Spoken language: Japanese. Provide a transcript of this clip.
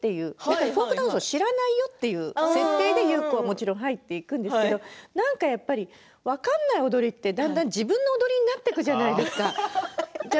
フォークダンスは知らないよという設定で優子は入っていくんですけれど分からない踊りってだんだん自分の踊りになっていくじゃないですか。